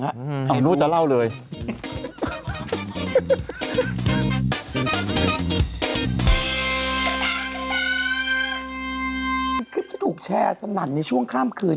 คลิปที่ถูกแชร์สนั่นในช่วงข้ามคืน